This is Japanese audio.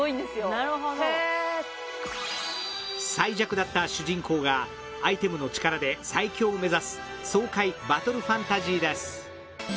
なるほどへえ最弱だった主人公がアイテムの力で最強を目指す爽快バトルファンタジーです